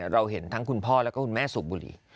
เราเห็นทั้งคุณพ่อแล้วก็คุณแม่สูบบุหรี่